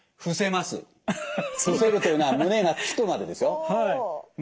伏せるというのは胸がつくまでですよ。